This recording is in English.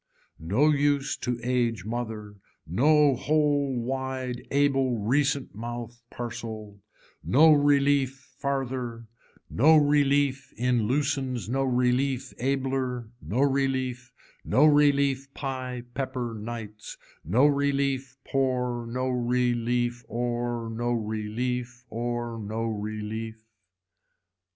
No use to age mother, no whole wide able recent mouth parcel, no relief farther, no relief in loosens no relief abler, no relief, no relief pie pepper nights, no relief poor no relief or, no relief, or no relief.